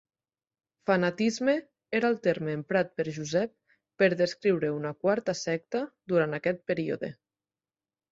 "Fanatisme" era el terme emprat per Josep per descriure una "quarta secta" durant aquest període.